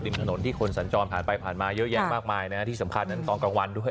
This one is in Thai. ถนนที่คนสัญจรผ่านไปผ่านมาเยอะแยะมากมายนะฮะที่สำคัญนั้นตอนกลางวันด้วย